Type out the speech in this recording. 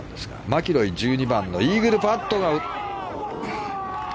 マキロイ１２番のイーグルパット。